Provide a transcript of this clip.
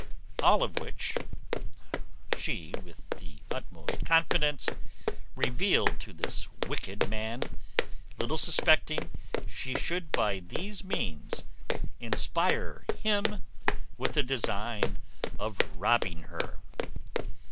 All which she, with the utmost confidence, revealed to this wicked man, little suspecting she should by these means inspire him with a design of robbing her.